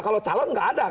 kalau calon nggak ada kan